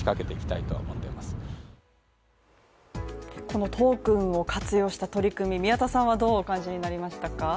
このトークンを活用した取り組み、宮田さんはどうお感じになりましたか。